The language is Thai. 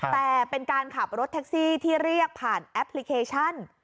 แต่เป็นการขับรถแท็กซี่ที่เรียกผ่านแอปพลิเคชัน